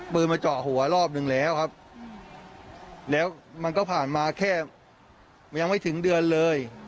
มาเจาะหัวรอบหนึ่งแล้วครับแล้วมันก็ผ่านมาแค่ยังไม่ถึงเดือนเลย